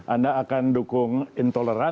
anda akan dukung intoleransi